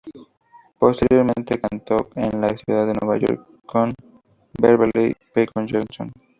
Posteriormente estudió canto en la ciudad de Nueva York con Beverley Peck Johnson.